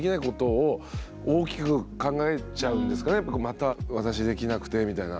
また私できなくてみたいな。